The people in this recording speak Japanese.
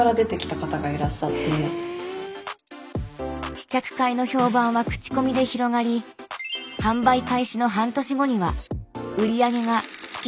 試着会の評判は口コミで広がり販売開始の半年後には売上が月１０００万円に到達。